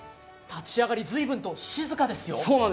立ち上がりずいぶんと静かですよ。